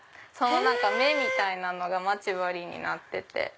目みたいなのが待ち針になってて。